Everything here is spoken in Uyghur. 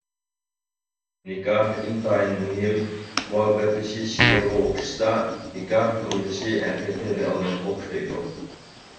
نىكاھ ئىنتايىن مۇھىم، مۇھەببەتلىشىش شېئىرغا ئوخشىسا نىكاھ تۇرمۇشى ھەقىقىي رېئاللىققا ئوخشايدۇ.